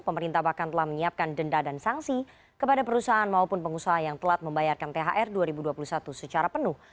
pemerintah bahkan telah menyiapkan denda dan sanksi kepada perusahaan maupun pengusaha yang telat membayarkan thr dua ribu dua puluh satu secara penuh